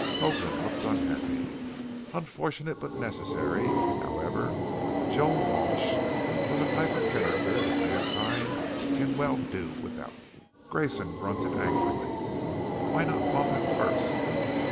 Hoagland looked unhappy. "Unfortunate but necessary. However, Joel Walsh was a type of character that Mankind can well do without." Grayson grunted angrily. "Why not bump him first?"